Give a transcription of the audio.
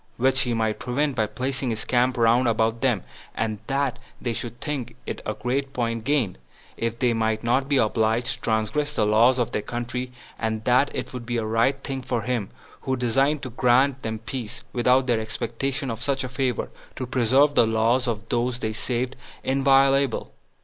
which he might prevent by placing his camp round about them; and that they should think it a great point gained, if they might not be obliged to transgress the laws of their country; and that it would be a right thing for him, who designed to grant them peace, without their expectation of such a favor, to preserve the laws of those they saved inviolable.